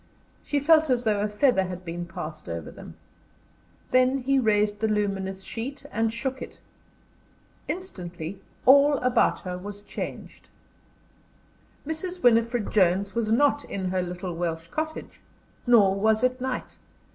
She felt as though a feather had been passed over them. Then he raised the luminous sheet and shook it. Instantly all about her was changed. Mrs. Winifred Jones was not in her little Welsh cottage; nor was it night.